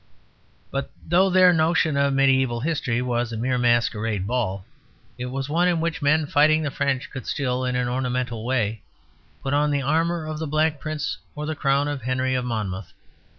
But though their notion of mediæval history was a mere masquerade ball, it was one in which men fighting the French could still, in an ornamental way, put on the armour of the Black Prince or the crown of Henry of Monmouth.